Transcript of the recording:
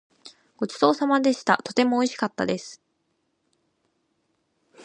ごちそうさまでした。とてもおいしかったです。